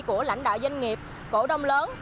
của lãnh đạo doanh nghiệp cổ đông lớn